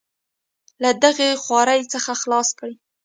له دغې خوارۍ څخه خلاص کړي.